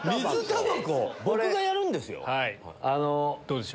僕がやるんですよ。